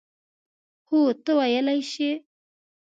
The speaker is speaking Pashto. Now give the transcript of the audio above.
هو، ته ویلای شې.